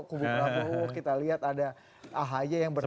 kubu prabowo kita lihat ada ahaya yang bertemu